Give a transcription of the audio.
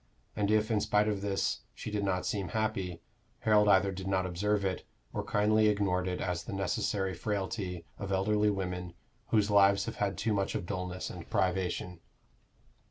And if, in spite of this, she did not seem happy, Harold either did not observe it, or kindly ignored it as the necessary frailty of elderly women whose lives have had too much of dullness and privation.